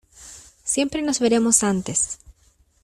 siempre nos veremos antes.